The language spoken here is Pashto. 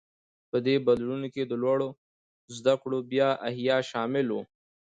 په دې بدلونونو کې د لوړو زده کړو بیا احیا شامل و.